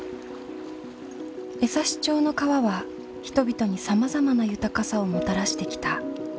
枝幸町の川は人々にさまざまな豊かさをもたらしてきた。